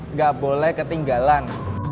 nggak boleh ketinggalan